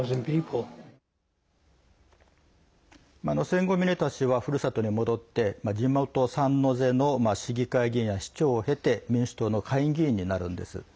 戦後、ミネタ氏はふるさとに戻って地元サンノゼの市議会議員や市長を経て民主党の下院議員になるんです。